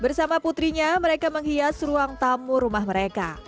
bersama putrinya mereka menghias ruang tamu rumah mereka